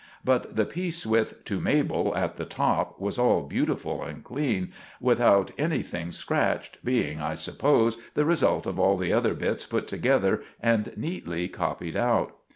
But the piece with "To Mabel" at the top was all butiful and clean, without anything scratched, being, I suppose, the result of all the other bits put together and neetly copied out.